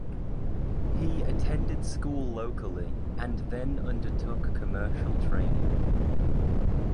He attended school locally and then undertook commercial training.